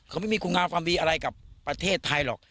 เขาไม่มีคุณงามความดีอะไรกับประเทศไทยหรอก